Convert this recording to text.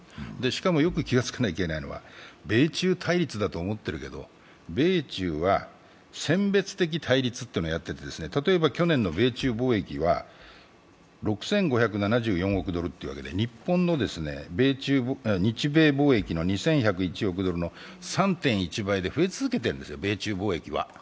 しかも、よく気がつかなきゃいけないのは、米中対立だと思ってるけど米中は選別的対立というのをやっていて、例えば去年の米中貿易は６５７４億円という日米貿易の３．１倍で増え続けているんですよ、米中貿易は。